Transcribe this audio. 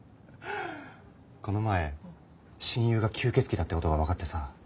この前親友が吸血鬼だって事がわかってさ